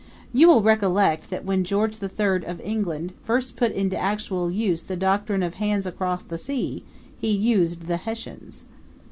You will recollect that when George the Third, of England, first put into actual use the doctrine of Hands Across the Sea he used the Hessians.